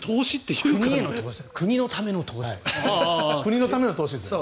国のための投資ですから。